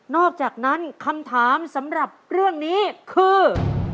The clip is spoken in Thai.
อกจากนั้นคำถามสำหรับเรื่องนี้คือ